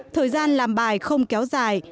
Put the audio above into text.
thời gian làm bài không kéo dài